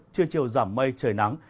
trưa chiều giảm mây trời nắng